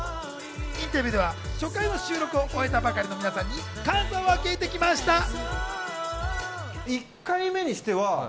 インタビューでは初回の収録を終えたばかりの皆さんに感想を聞いてきました。